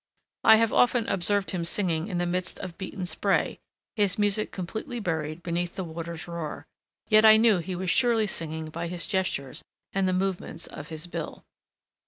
I have often observed him singing in the midst of beaten spray, his music completely buried beneath the water's roar; yet I knew he was surely singing by his gestures and the movements of his bill.